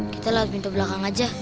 kita lah pintu belakang aja